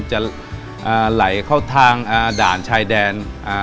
จะไหลเข้าทางด่านชายแดน